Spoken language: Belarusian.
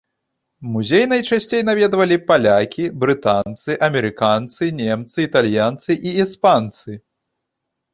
Музей найчасцей наведвалі палякі, брытанцы, амерыканцы, немцы, італьянцы і іспанцы.